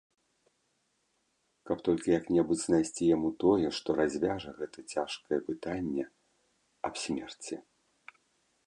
Каб толькі як-небудзь знайсці яму тое, што развяжа гэта цяжкае пытанне аб смерці!